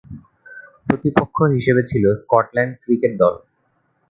প্রতিপক্ষ হিসেবে ছিল স্কটল্যান্ড ক্রিকেট দল।